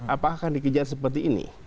apa akan dikejar seperti ini